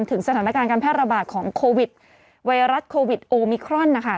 ถึงสถานการณ์การแพร่ระบาดของโควิดไวรัสโควิดโอมิครอนนะคะ